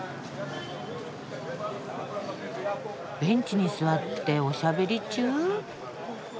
ベンチに座っておしゃべり中？